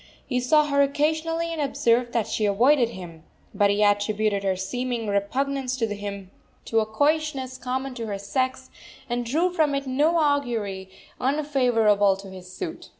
He saw her occasionally, and observed that she avoided him; but he attributed her seeming repugnance to him to a coyishness common to her sex, and drew from it no augury unfavorable to his suit.